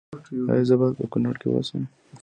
ایا زه باید په کنړ کې اوسم؟